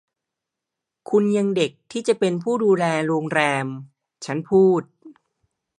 คุณยังเด็กที่จะเป็นผู้ดูแลโรงแรม” ฉันพูด